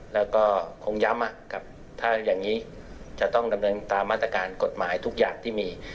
แล้วก็คงย้ำกับถ้าอย่างนี้จะต้องดำเนินตามมาตรการกฎหมายทุกอย่างที่มี